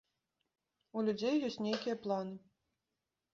У людзей ёсць нейкія планы.